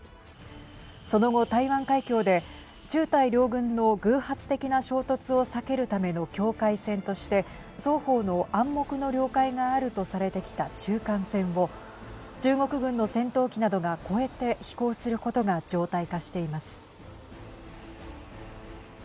その後、台湾海峡で中台両軍の偶発的な衝突を避けるための境界線として双方の暗黙の了解があるとされてきた中間線を中国軍の戦闘機などが越えて飛行することが常態化しています。